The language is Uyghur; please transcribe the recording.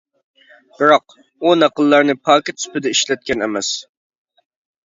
بىراق، ئۇ نەقىللەرنى «پاكىت» سۈپىتىدە ئىشلەتكەن ئەمەس.